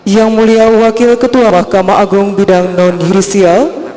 yang mulia wakil ketua mahkamah agung bidang non jurusial